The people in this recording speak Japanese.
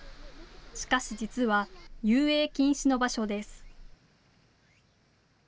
しかし、実は遊泳禁止の場所です。